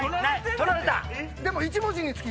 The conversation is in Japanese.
取られた！